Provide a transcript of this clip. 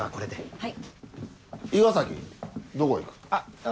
はい。